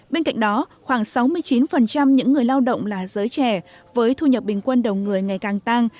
bên cạnh đó khoảng sáu mươi chín những người lao động là giới trẻ với thu nhập bình quân đầu người ngày càng tăng